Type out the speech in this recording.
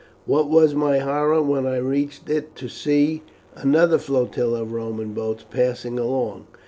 What was my horror when I reached it to see another flotilla of Roman boats passing along.